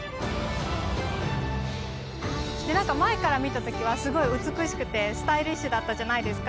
で前から見た時はすごい美しくてスタイリッシュだったじゃないですか。